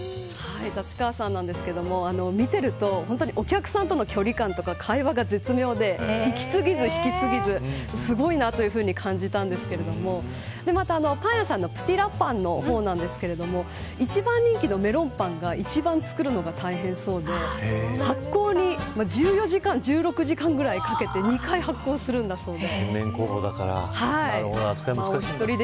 立川さんなんですけれども見てると本当にお客さんとの距離感とか会話が絶妙でいき過ぎず引き過ぎずすごいなと感じたんですけれどもまた、パン屋さんのぷてぃらぱんの方なんですが一番人気のメロンパンが一番作るのが大変そうで発酵に１４時間１６時間ぐらいかけて２回、発酵するんだそうで。